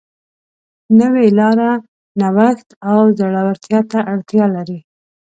نوې لاره نوښت او زړهورتیا ته اړتیا لري.